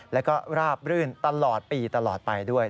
แล้วก็ราบรื่นตลอดปีตลอดไปด้วย